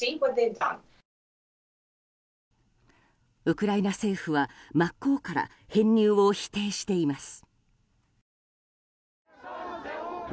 ウクライナ政府は、真っ向から編入を否定しています。